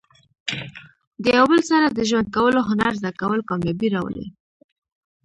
د یو بل سره د ژوند کولو هنر زده کول، کامیابي راولي.